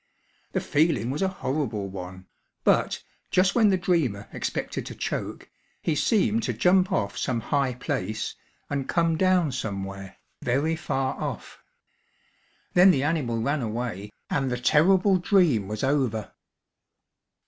The feeling was a horrible one; but, just when the dreamer expected to choke, he seemed to jump off some high place, and come down somewhere, very far off. Then the animal ran away and the terrible dream was over.